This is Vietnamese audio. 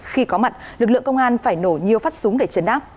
khi có mặt lực lượng công an phải nổ nhiều phát súng để chấn áp